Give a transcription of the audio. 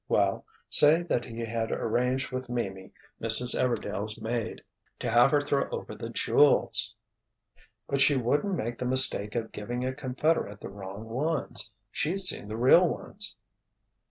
Well, say that he had arranged with Mimi, Mrs. Everdail's maid, to have her throw over the jewels——" "But she wouldn't make the mistake of giving a confederate the wrong ones. She'd seen the real ones."